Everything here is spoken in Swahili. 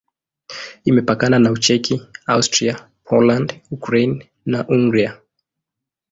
Imepakana na Ucheki, Austria, Poland, Ukraine na Hungaria.